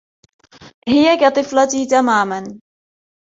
هي كطفلتي تماما.